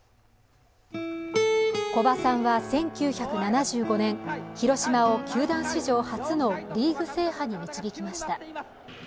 古葉さんは１９７５年、広島を球団史上初のリーグ制覇に導きました。